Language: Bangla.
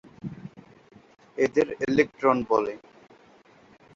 এদের ইলেকট্রন বলে।